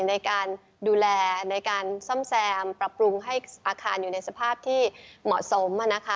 ในการดูแลในการซ่อมแซมปรับปรุงให้อาคารอยู่ในสภาพที่เหมาะสม